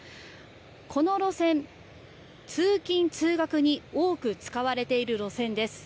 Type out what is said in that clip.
この路線、通勤・通学に多く使われている路線です。